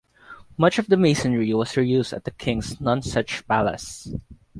Much of the masonry was reused at the king's Nonsuch Palace.